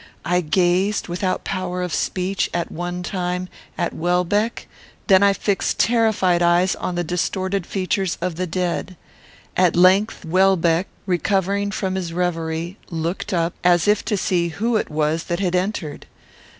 I gazed, without power of speech, at one time, at Welbeck; then I fixed terrified eyes on the distorted features of the dead. At length, Welbeck, recovering from his reverie, looked up, as if to see who it was that had entered.